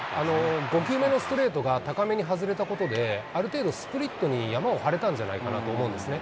５球目のストレートが高めに外れたことで、ある程度、スプリットにヤマを張れたんじゃないかなと思うんですね。